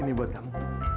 ini buat kamu